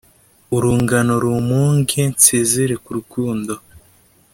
urungano rumpunge nsezere ku rukundo